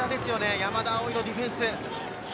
山田蒼のディフェンス。